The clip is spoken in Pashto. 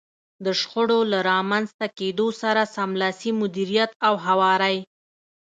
د شخړو له رامنځته کېدو سره سملاسي مديريت او هواری.